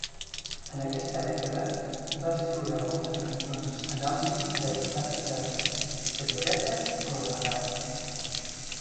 En aquesta dècada va escriure moltes cançons en àlbums dedicades a amics, senyoretes o al·legats.